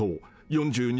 ４２！？